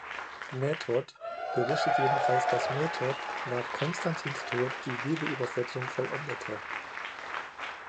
Method" berichtet jedenfalls, das Method nach Konstantins Tod die Bibelübersetzung vollendete.